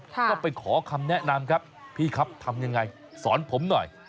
ก็ไปขอคำแนะนำครับพี่ครับทำยังไงสอนผมหน่อย